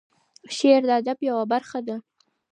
شعر د ادب یوه برخه ده.